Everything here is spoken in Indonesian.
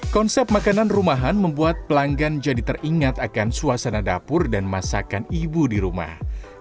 konsep makanan rumahan membuat pelanggan jadi teringat akan suasana dapur dan masakan ibu di rumah